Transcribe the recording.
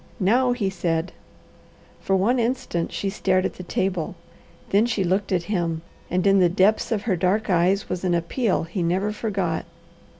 "Now!" he said. For one instant she stared at the table. Then she looked at him and in the depths of her dark eyes was an appeal he never forgot.